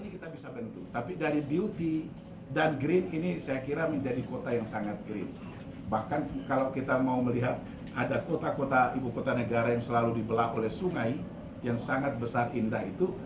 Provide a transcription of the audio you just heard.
ketika diberi kekuatan kekuatan yang sangat besar indah itu